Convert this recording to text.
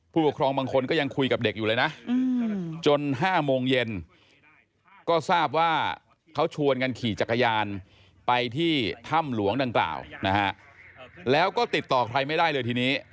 ผู้ปกครองบางคนก็ยังคุยกับเด็กอยู่เลยนะจน๕โมงเย็นก็ทราบว่าเขาชวนกันขี่จักรยานไปที่ถ้ำหลวงดังกล่าวนะฮะแล้วก็ติดต่อใครไม่ได้เลยทีนี้